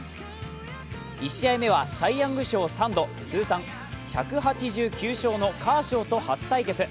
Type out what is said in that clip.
１試合目はサイ・ヤング賞３度、通算１８９勝のカーショウと初対決。